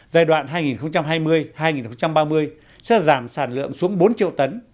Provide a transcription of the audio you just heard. giai đoạn hai nghìn hai mươi hai nghìn ba mươi sẽ giảm sản lượng xuống bốn triệu tấn